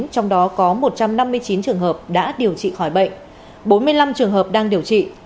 trong đó có một trăm năm mươi chín trường hợp đã điều trị khỏi bệnh bốn mươi năm trường hợp đang điều trị